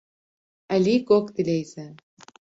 Elî gog dileyîze.